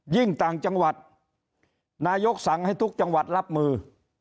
ต่างจังหวัดนายกสั่งให้ทุกจังหวัดรับมือ